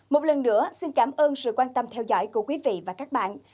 một lần nữa xin cảm ơn sự quan tâm theo dõi của quý vị và các bạn